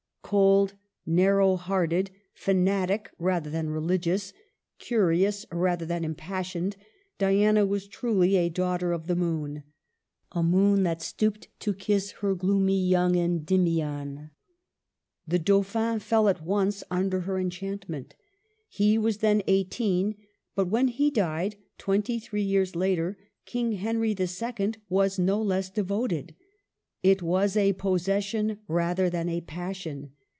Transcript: Cold, narrow hearted, fanatic rather than religious, curious rather than impassioned, Diana was truly a daughter of the moon, — a moon that stooped to kiss her gloomy young Endymion. The Dauphin fell at once under her enchantment. He was then eighteen ; but when he died, twenty three years later, King Henry H. was no less devoted. It was a possession rather than a passion.